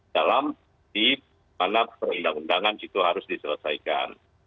dalam di mana perundang undangan itu harus diselesaikan